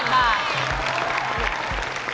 ๘๘บาท